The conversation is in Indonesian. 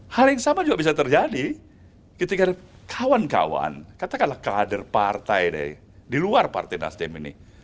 hal yang sama juga bisa terjadi ketika kawan kawan katakanlah kader partai di luar partai nasdem ini